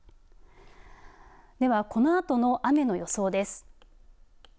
ではこのあとの雨の予想です。